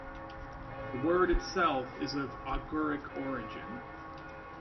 The word itself is of Oghuric origin.